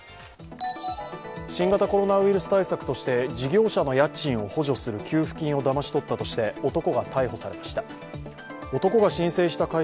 新型コロナウイルス対策として事業者の家賃を補助する給付金をだまし取ったとして男が逮捕されました。